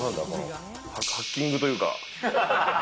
ハッキングというか。